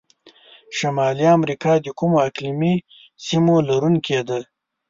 شمالي امریکا د کومو اقلیمي سیمو لرونکي ده؟